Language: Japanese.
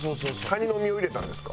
カニの身を入れたんですか？